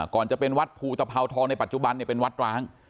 ก่อนจะเป็นวัดภูตภาวทองในปัจจุบันเป็นวัดร้าง